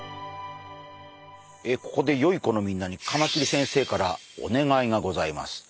ここでよい子のみんなにカマキリ先生からお願いがございます。